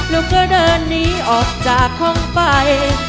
แล้วก็เดินหนีออกจากห้องไป